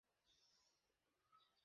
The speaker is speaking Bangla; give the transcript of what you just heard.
আমি বন্দুক হ্যান্ডেল করতেছি।